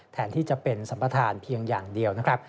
แทนที่จะเป็นสัมประธานเพียงอย่างเดียวนะครับ